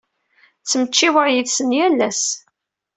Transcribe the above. Ttmecčiweɣ yid-sen yal ass.